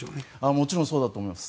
もちろんそうだと思います。